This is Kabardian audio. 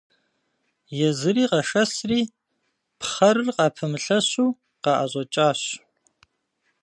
Езыри къэшэсри пхъэрыр къыпэмылъэщу къаӏэщӏэкӏащ.